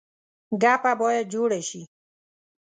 ګپه باید جوړه شي.